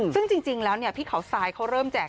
ซึ่งจริงแล้วพี่เขาทรายเขาเริ่มแจก